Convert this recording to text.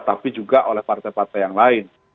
tapi juga oleh partai partai yang lain